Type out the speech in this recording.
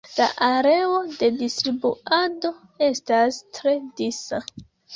La areo de distribuado estas tre disa.